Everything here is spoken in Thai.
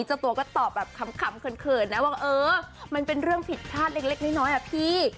เจ้าตัวก็ตอบแบบขำเขินนะว่าเออมันเป็นเรื่องผิดพลาดเล็กน้อยอะพี่